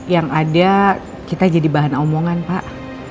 yang ada kita jadi bahan omongan pak